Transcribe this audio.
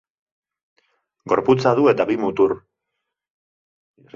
Gorputza du eta bi mutur.